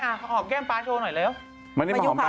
อ๋อบอกแก้มป๊าโชว์หน่อยเร็ว